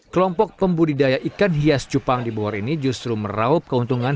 kelompok pembudidaya ikan hias cupang di bogor ini justru meraup keuntungan